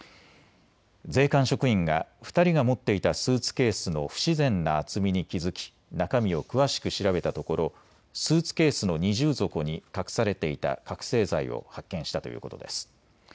税関職員が２人が持っていたスーツケースの不自然な厚みに気付き、中身を詳しく調べたところ、スーツケースの二重底に隠されていた覚醒剤を発見したということです。